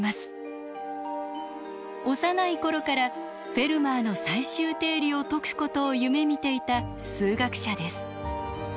幼い頃から「フェルマーの最終定理」を解くことを夢みていた数学者です。